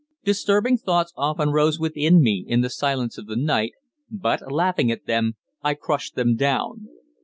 Disturbing thoughts often arose within me in the silence of the night, but, laughing at them, I crushed them down.